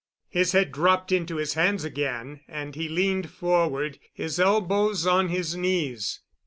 His head dropped into his hands again and he leaned forward, his elbows on his knees.